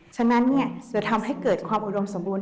ฉะนั้นจะทำให้เกิดความอุดมสมบูรณ